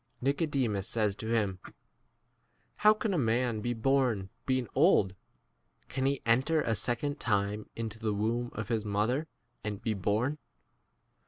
Nicodemus says to him, How can a man be born being old ? can he enter a second time into the womb of his mother and „ 5 be born